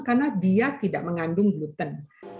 karena dia tidak mengandung gluten